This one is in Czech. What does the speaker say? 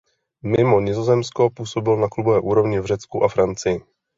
Mimo Nizozemsko působil na klubové úrovni v Řecku a Francii.